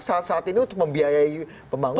saat saat ini untuk membiayai pembangunan